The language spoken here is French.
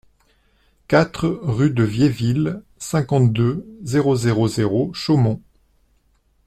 quatre rue de Viéville, cinquante-deux, zéro zéro zéro, Chaumont